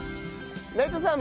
内藤さん